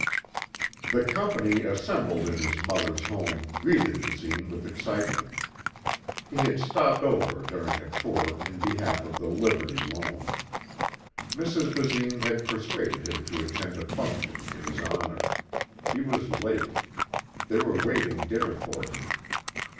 25 The company assembled in his mother's home greeted Basine with excitement. He had stopped over during a tour in behalf of the Liberty Loan. Mrs. Basine had persuaded him to attend a function in his honor. He was late. They were waiting dinner for him.